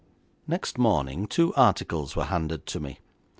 Next morning two articles were handed to me.